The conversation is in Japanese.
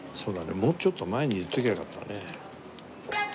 もうちょっと前にいっときゃよかったね。